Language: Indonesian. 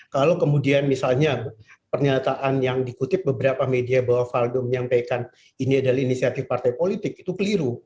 kalau kemudian misalnya pernyataan yang dikutip beberapa media bahwa valdo menyampaikan ini adalah inisiatif partai politik itu keliru